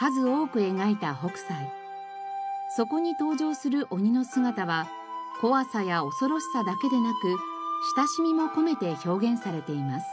そこに登場する鬼の姿は怖さや恐ろしさだけでなく親しみも込めて表現されています。